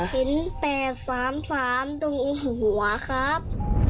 เห็น๘๓๓ตรงหัวครับ